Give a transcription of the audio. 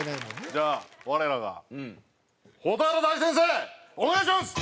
じゃあ我らが蛍原大先生お願いします！